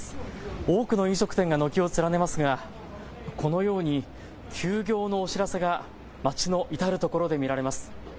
多くの飲食店が軒を連ねますがこのように休業のお知らせが街の至る所で見られます。